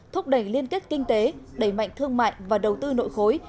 thúc đẩy liên kết kinh tế đẩy mạnh thương mại và đầu tư nội khối